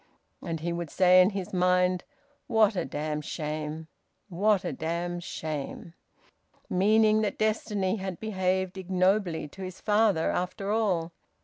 And he would say in his mind, "What a damned shame! What a damned shame!" Meaning that destiny had behaved ignobly to his father, after all.